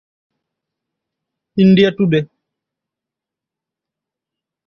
India today.